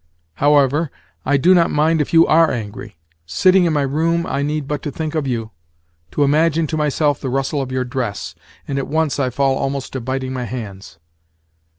However, I do not mind if you are angry. Sitting in my room, I need but to think of you, to imagine to myself the rustle of your dress, and at once I fall almost to biting my hands.